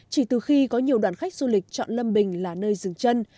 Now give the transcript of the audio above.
chỉ từ khi có nhiều đoàn khách du lịch chọn lâm bình là nơi dừng chân